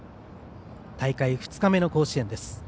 大会２日目の甲子園です。